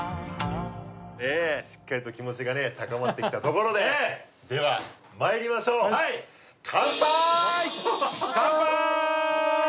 ねえしっかりと気持ちがね高まってきたところでではまいりましょうはいカンパーイ！カンパーイ！